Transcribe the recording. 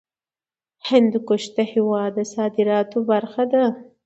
هندوکش د هېواد د صادراتو برخه ده.